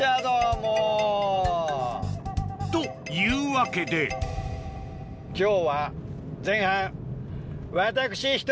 もう。というわけで今日は前半。